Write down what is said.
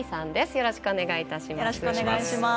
よろしくお願いします。